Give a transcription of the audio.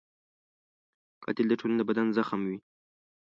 قاتل د ټولنې د بدن زخم وي